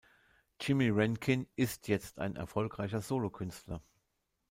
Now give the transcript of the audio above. Jimmy Rankin ist jetzt ein erfolgreicher Solokünstler.